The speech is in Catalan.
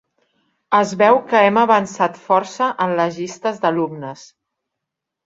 Es veu que hem avançat força en les llistes d'alumnes.